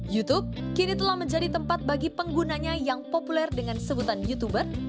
youtube kini telah menjadi tempat bagi penggunanya yang populer dengan sebutan youtuber